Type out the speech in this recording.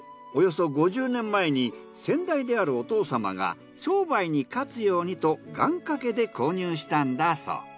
およそ５０年前に先代であるお父様が商売に勝つようにと願掛けで購入したんだそう。